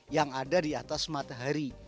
yang ada di atas matahari